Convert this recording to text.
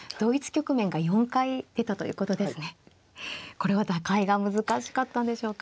これは打開が難しかったんでしょうか。